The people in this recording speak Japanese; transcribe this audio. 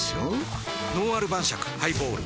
「のんある晩酌ハイボール」